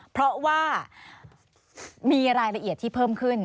เพราะว่ามีรายละเอียดที่เพิ่มขึ้น